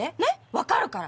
わかるから。